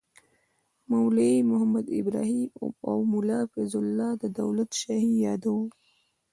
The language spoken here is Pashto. مولوي محمد ابراهیم او ملا فیض الله دولت شاهي یادوو.